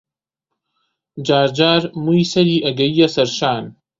جارجار مووی سەری ئەگەییە سەر شان